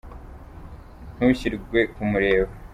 Ntushirwe kumureba.